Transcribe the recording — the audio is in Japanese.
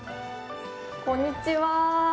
こんにちは。